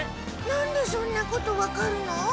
なんでそんなことわかるの？